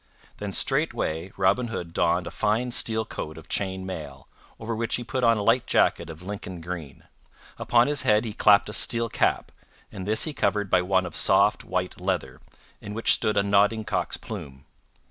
Then straightway Robin Hood donned a fine steel coat of chain mail, over which he put on a light jacket of Lincoln green. Upon his head he clapped a steel cap, and this he covered by one of soft white leather, in which stood a nodding cock's plume.